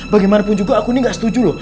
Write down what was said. bagaimanapun juga aku ini gak setuju loh